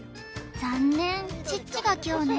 残念チッチが凶ね